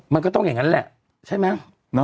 มันก็ต้องอย่างนั้นแหละใช่ไหม